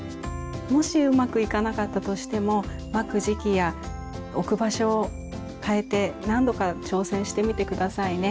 もしうまくいかなかったとしてもまく時期や置く場所を変えて何度か挑戦してみて下さいね。